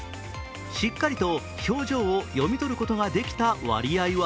しっかりと表情を読み取ることができた割合は